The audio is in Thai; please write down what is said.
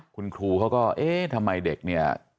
คุณครูเขาก็เอ๊ะทำไมเด็กเนี่ย